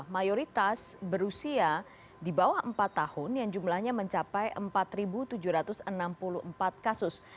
mayoritas berusia di bawah empat tahun yang jumlahnya mencapai empat tujuh ratus enam puluh empat kasus